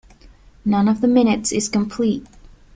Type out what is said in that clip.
None of the minutes is complete.